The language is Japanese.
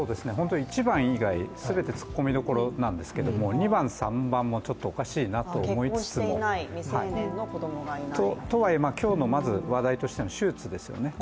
１番以外、全てツッコミどころなんですけど２番、３番もおかしいなと思いつつもとはいえ今日の話題としての手術ですよね。